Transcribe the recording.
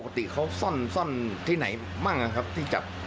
ปกติเขาซ่อนที่ไหนบ้างนะครับที่จับ